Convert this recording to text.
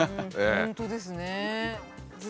本当ですね。